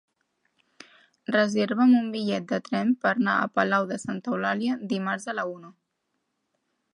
Reserva'm un bitllet de tren per anar a Palau de Santa Eulàlia dimarts a la una.